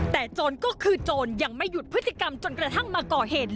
แต่โจรก็คือโจรยังไม่หยุดพฤติกรรมจนกระทั่งมาก่อเหตุ